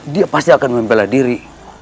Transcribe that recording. dia pasti akan membela diri